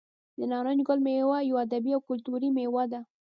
د نارنج ګل میله یوه ادبي او کلتوري میله ده.